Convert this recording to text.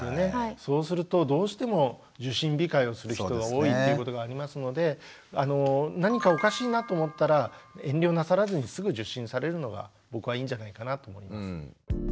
そうするとどうしても受診控えをする人が多いっていうことがありますので何かおかしいなと思ったら遠慮なさらずにすぐ受診されるのが僕はいいんじゃないかなと思います。